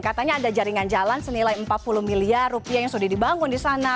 katanya ada jaringan jalan senilai empat puluh miliar rupiah yang sudah dibangun di sana